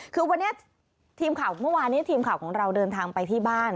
คือวันนี้ทีมข่าวของเราเดินทางไปที่บ้าน